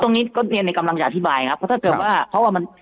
ตรงนี้ก็เรียนในกำลังจะอธิบายครับเพราะถ้าเกิดว่าเพราะว่ามัน